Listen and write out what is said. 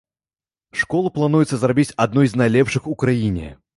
Школу плануецца зрабіць адной з найлепшых у краіне.